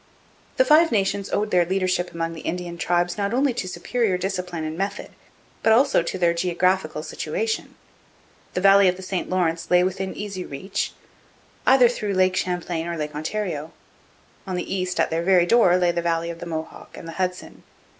The Five Nations owed their leadership among the Indian tribes not only to superior discipline and method but also to their geographical situation. The valley of the St Lawrence lay within easy reach, either through Lake Champlain or Lake Ontario. On the east at their very door lay the valley of the Mohawk and the Hudson.